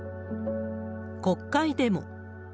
国会でも。